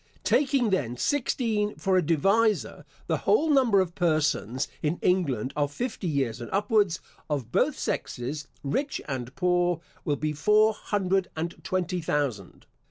Taking, then, sixteen for a divisor, the whole number of persons in England of fifty years and upwards, of both sexes, rich and poor, will be four hundred and twenty thousand.